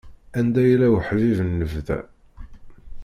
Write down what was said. Anda yella uḥbib n lebda.